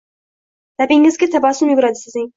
Labingizga tabassum yuguradi sizning